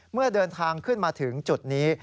เมื่อเดินทางขึ้นมาถึงจุดนี้